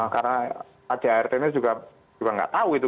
karena adrt ini juga nggak tahu itu